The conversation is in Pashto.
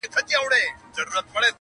o زما پر زړه لګي سیده او که کاږه وي,